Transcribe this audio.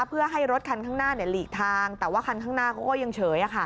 เพื่อให้รถคันข้างหน้าหลีกทางแต่ว่าคันข้างหน้าเขาก็ยังเฉย